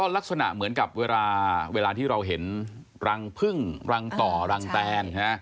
ลักษณะเหมือนกับเวลาที่เราเห็นรังพึ่งรังต่อรังแตน